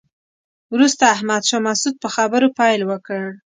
وروسته احمد شاه مسعود په خبرو پیل وکړ.